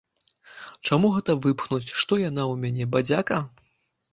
Чаму гэта выпхнуць, што яна ў мяне, бадзяка?